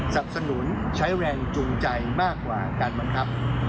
สับสนุนใช้แรงจูงใจมากกว่าการบังคับ